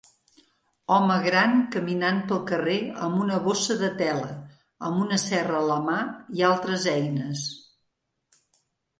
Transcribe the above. Home gran caminant pel carrer amb una bossa de tela amb una serra a la mà i altres eines.